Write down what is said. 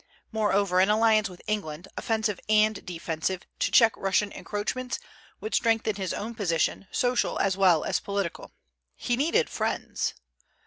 Moreover, an alliance with England, offensive and defensive, to check Russian encroachments, would strengthen his own position, social as well as political. He needed friends.